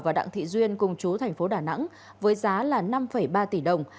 và đặng thị duyên cùng chú thành phố đà nẵng với giá là năm ba tỷ đồng